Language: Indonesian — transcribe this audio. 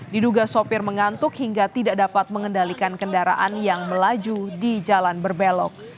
diduga sopir mengantuk hingga tidak dapat mengendalikan kendaraan yang melaju di jalan berbelok